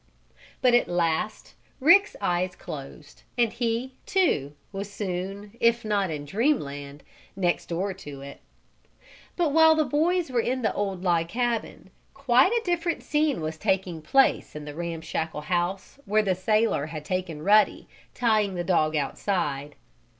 But at last Rick's eyes closed and he, too, was soon, if not in Dreamland, next door to it. But while the boys were in the old log cabin, quite a different scene was taking place in the ramshackle house where the sailor had taken Ruddy, tying the dog outside.